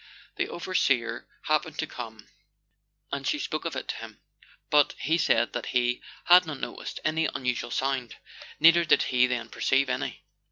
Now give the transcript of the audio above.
The overseer happened to come, and she spoke of it to him, but he said that he had not noticed any unusual sound ; neither did he then perceive any.